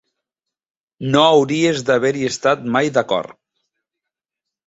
No hauries d'haver-hi estat mai d'acord